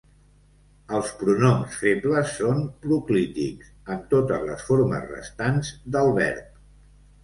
Els pronoms febles són proclítics amb totes les formes restants del verb.